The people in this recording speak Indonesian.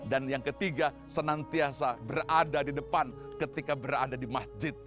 dan yang ketiga senantiasa berada di depan ketika berada di masjid